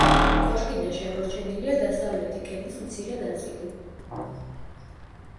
კოშკიდან შემორჩენილია დასავლეთი კედლის მცირე ნაწილი.